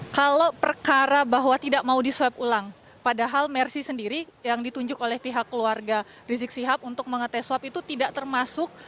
kalau perkara bahwa tidak mau diswab ulang padahal mersi sendiri yang ditunjuk oleh pihak keluarga rizik sihab untuk mengetes swab itu tidak termasuk